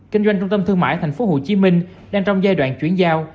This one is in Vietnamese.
kinh doanh trung tâm thương mại thành phố hồ chí minh đang trong giai đoạn chuyển giao